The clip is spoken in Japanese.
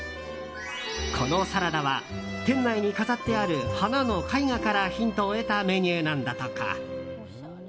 このサラダは店内に飾ってある花の絵画からヒントを得たメニューなんだとか。